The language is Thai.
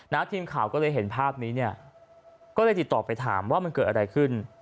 ทีมข่าวก็เลยเห็นภาพนี้เนี่ยก็เลยติดต่อไปถามว่ามันเกิดอะไรขึ้น